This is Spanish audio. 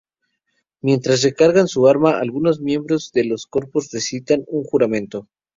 Mientras recargan su arma, algunos miembros de los Corps recitan un juramento.